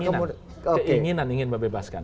keinginan keinginan ingin membebaskan